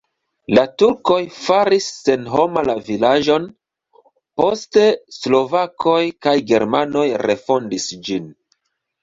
La turkoj faris senhoma la vilaĝon, poste slovakoj kaj germanoj refondis ĝin.